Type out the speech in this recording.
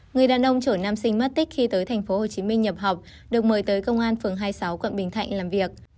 người đàn ông chở nam sinh mất tích khi tới tp hcm nhập học được mời tới công an phường hai mươi sáu quận bình thạnh làm việc